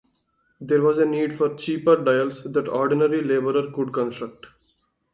There was a need for cheaper dials that ordinary laborer could construct.